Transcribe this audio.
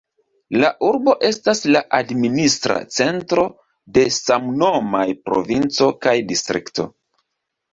La urbo estas la administra centro de samnomaj provinco kaj distrikto.